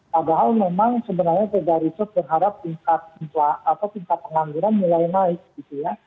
padahal memang sebenarnya beda riset berharap tingkat pengangguran mulai naik gitu ya